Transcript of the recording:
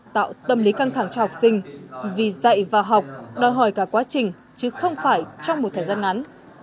tạo tâm lý căng thẳng cho học sinh vì dạy và học đòi hỏi cả quá trình chứ không phải trong một thời gian ngắn